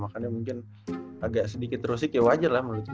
makanya mungkin agak sedikit terusik ya wajar lah menurut saya